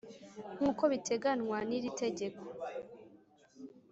nk uko biteganywa n iri tegeko